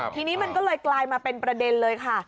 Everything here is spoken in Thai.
ทีนี้มันก็เลยกลายมาเป็นประเด็นเลยค่ะ